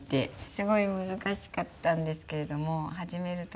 すごい難しかったんですけれども始めると。